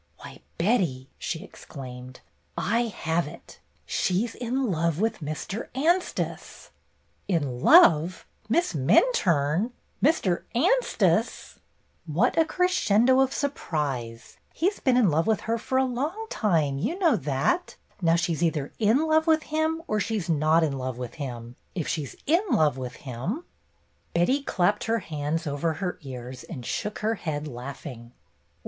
"Why, Betty," she exclaimed, "I have it! She 's in love with Mr. Anstice!" " In love 1 Miss Minturne 1 ! Mr. Anstice 111" "What a crescendo of surprise 1 He 's been in love with her for a long time, you know that. Now, she 's either in love with him or she 's not in love with him. If she 's in love with him —" Betty clapped her hands over her ears and shook her head, laughing.